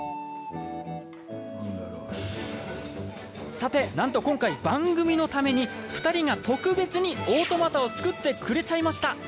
さて、なんと今回、番組のために２人が特別にオートマタを作ってくれちゃいました。